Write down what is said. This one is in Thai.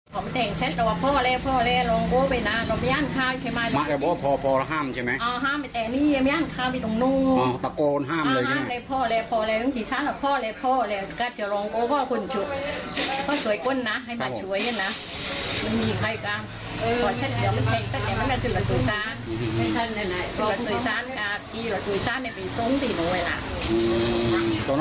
ต้องบังล๊อกขอความชื่นหรืองั้นไหม